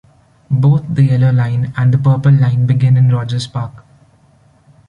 Both the Yellow Line and the Purple Line begin in Rogers Park.